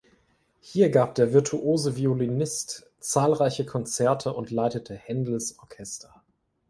Hier gab der virtuose Violinist zahlreiche Konzerte und leitete Händels Orchester.